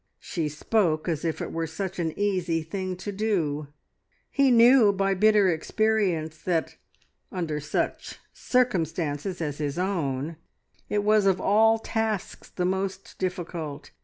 She spoke as if it were such an easy thing to do: he knew by bitter experience that under such circumstances as his own it was of all tasks the most difficult.